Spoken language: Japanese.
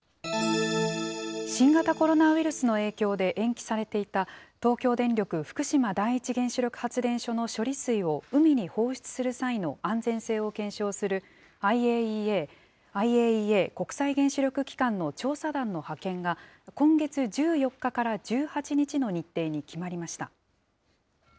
新型コロナウイルスの影響で延期されていた、東京電力福島第一原子力発電所の処理水を海に放出する際の安全性を検証する、ＩＡＥＡ・国際原子力機関の調査団の派遣が、今月１４日から１８日の日程に決まりました。